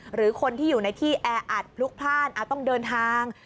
หรือคนที่อยู่ในที่แออัดพลุกพลาดต้องเดินทาง